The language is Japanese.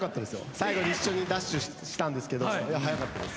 最後に一緒にダッシュしたんですけど速かったです。